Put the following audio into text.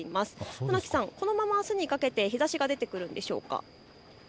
船木さん、このままあすにかけて日ざしが出てくるんでしょうか。